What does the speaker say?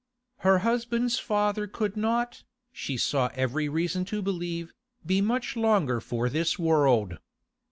Her husband's father could not, she saw every reason to believe, be much longer for this world.